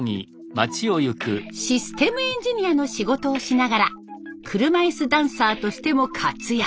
システムエンジニアの仕事をしながら車椅子ダンサーとしても活躍。